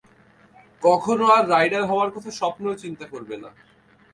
কখনও আর রাইডার হওয়ার কথা স্বপ্নেও চিন্তা করবে না।